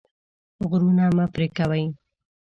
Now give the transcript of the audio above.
غرونه مه پرې کوئ.